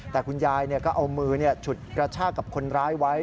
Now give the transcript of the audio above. แต่คุณยายก็เอามือฉุดกระชากกับคนร้ายไว้